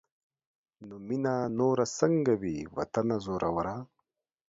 نو مينه نوره سنګه وي واطنه زوروره